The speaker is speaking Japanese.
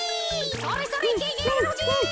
それそれいけいけやまのふじ！